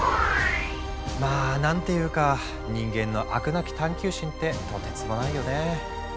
まあ何ていうか人間の飽くなき探求心ってとてつもないよね。